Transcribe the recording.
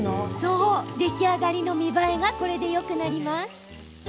出来上がりの見栄えがよくなります。